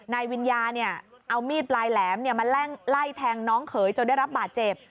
นายวิญญาเนี่ยเอามีดปลายแหลมเนี่ยมาไล่แทงน้องเขยจนได้รับบาดเจ็บ